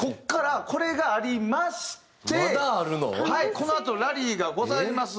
このあとラリーがございます。